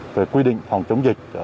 về quy định phòng chống dịch